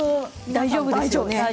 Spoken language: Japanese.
大丈夫です。